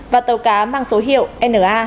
và tàu cá mang số hiệu na